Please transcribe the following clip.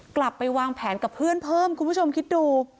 กลับไปวางแผนกับเพื่อนเพิ่มคุณผู้ชมคิดดู